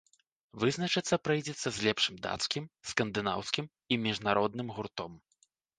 Вызначацца прыйдзецца з лепшым дацкім, скандынаўскім і міжнародным гуртом.